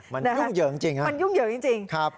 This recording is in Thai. มันยุ่งเยอะจริงครับมันยุ่งเยอะจริงครับ